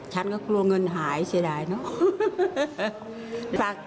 ฉันก็กลัวเงินหายเสียดายเนอะ